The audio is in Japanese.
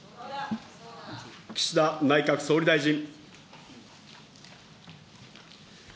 岸田内閣総理大臣。